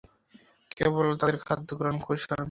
কেবল তাদের খাদ্যগ্রহণ কৌশল ভিন্ন।